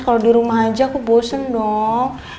kalau di rumah aja aku bosen dong